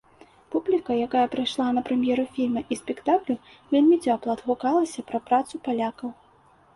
Публіка, якая прыйшла на прэм'еру фільма і спектаклю вельмі цёпла адгукалася пра працу палякаў.